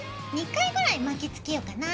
２回ぐらい巻きつけようかな。